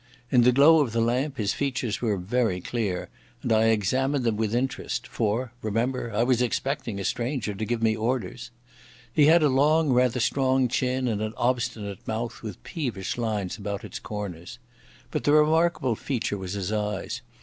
In the glow of the lamp his features were very clear, and I examined them with interest, for, remember, I was expecting a stranger to give me orders. He had a long, rather strong chin and an obstinate mouth with peevish lines about its corners. But the remarkable feature was his eyes.